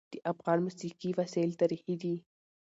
د افغان موسیقي وسایل تاریخي دي.